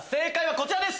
こちらです。